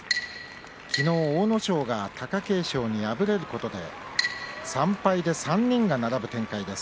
昨日、阿武咲が貴景勝に敗れたことで３敗で３人が並ぶ展開です。